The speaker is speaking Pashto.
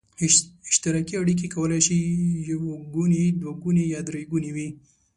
اشتراکي اړیکې کولای شي یو ګوني، دوه ګوني یا درې ګوني وي.